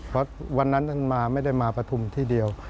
เพราะวันนั้นท่านมาไม่ได้มาปฐุมที่เดียว